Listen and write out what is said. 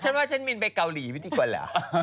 ฉันว่าฉันมีนไปเกาหลีนิดดีกว่าล่ะ